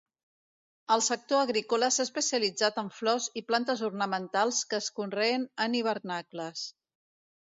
El sector agrícola s'ha especialitzat en flors i plantes ornamentals que es conreen en hivernacles.